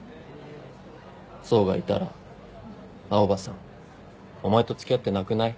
想がいたら青羽さんお前と付き合ってなくない？